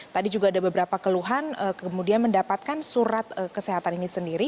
tadi juga ada beberapa keluhan kemudian mendapatkan surat kesehatan ini sendiri